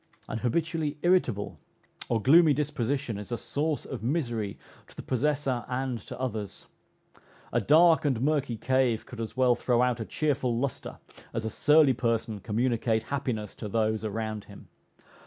An habitually irritable or gloomy disposition is a source of misery to the possessor and to others. A dark and murky cave could as well throw out a cheerful lustre, as a surly person communicate happiness to those around him.